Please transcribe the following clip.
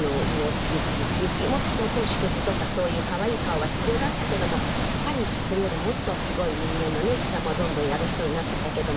もっとも『縮図』とかそういう可愛い顔は必要だったけどもやっぱりそれよりもっとすごい人間のね生き様をどんどんやる人になっていったけども。